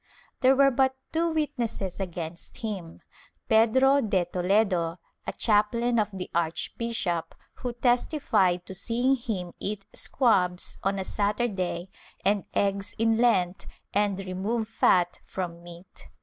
There were but two witnesses against him — Pedro de Toledo, a chaplain of the archbishop, who testified to seeing him eat squabs on a Sat urday and eggs in Lent and remove fat from meat.